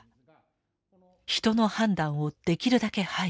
人の判断をできるだけ排除。